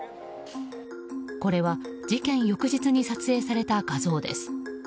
これは事件翌日に撮影された画像です。